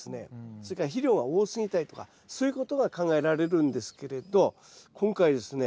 それから肥料が多すぎたりとかそういうことが考えられるんですけれど今回ですね